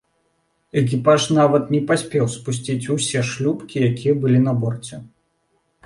Экіпаж нават не паспеў спусціць усё шлюпкі, якія былі на борце.